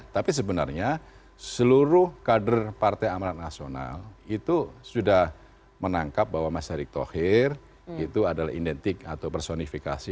tapi sebenarnya seluruh kader partai amanat nasional itu sudah menangkap bahwa mas erick thohir itu adalah identik atau personifikasi